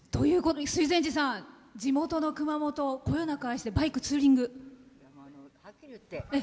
水前寺さん、地元の熊本をこよなく愛してバイク、ツーリング。